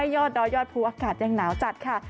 ยอดดอยยอดภูอากาศยังหนาวจัดค่ะ